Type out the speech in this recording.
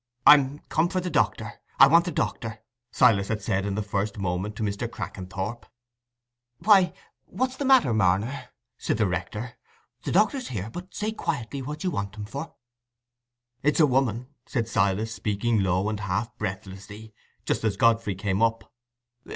"I'm come for the doctor—I want the doctor," Silas had said, in the first moment, to Mr. Crackenthorp. "Why, what's the matter, Marner?" said the rector. "The doctor's here; but say quietly what you want him for." "It's a woman," said Silas, speaking low, and half breathlessly, just as Godfrey came up.